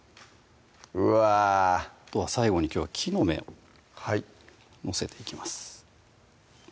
うわあとは最後にきょうは木の芽を載せていきます